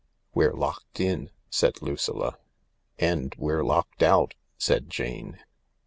"We're locked in," said Lucilla. " And we're locked out," said Jane.